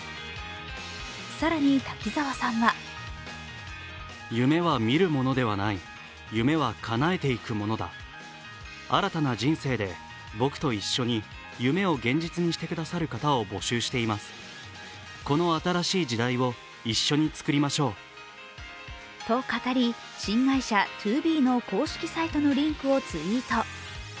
更に滝沢さんはと語り、新会社ＴＯＢＥの公式サイトのリンクをツイート。